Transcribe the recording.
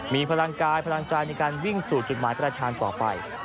มีพลังกายพลังใจในการวิ่งสู่จุดหมายประธานต่อไป